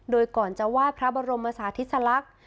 โดยก่อนจะวาดพระบรมศาสตร์ธิสลักษณ์